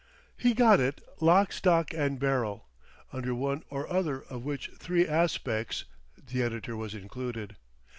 He got it "lock, stock and barrel"—under one or other of which three aspects the editor was included.